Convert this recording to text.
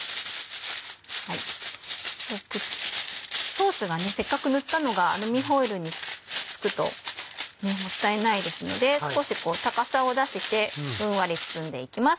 ソースがせっかく塗ったのがアルミホイルに付くともったいないですので少し高さを出してふんわり包んでいきます。